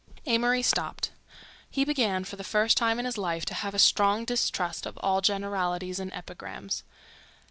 Amory stopped. He began for the first time in his life to have a strong distrust of all generalities and epigrams.